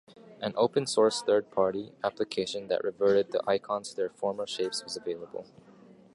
An open-source third-party application that reverted the icons to their former shapes was available.